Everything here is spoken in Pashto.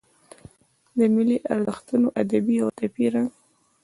د ملي ارزښتونو ادبي او عاطفي رنګ.